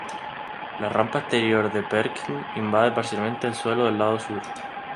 La rampa exterior de Perkin invade parcialmente el suelo del lado sur.